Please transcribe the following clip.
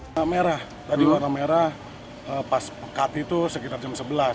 warna merah tadi warna merah pas pekat itu sekitar jam sebelas